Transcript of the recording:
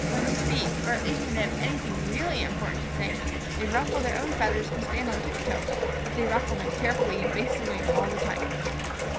When they speak, or at least when they have anything really important to say, they ruffle their own feathers and stand on tip toe, but they ruffle them carefully and face the wind all the time.